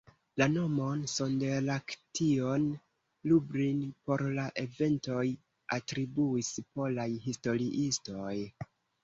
La nomon "Sonderaktion Lublin" por la eventoj atribuis polaj historiistoj.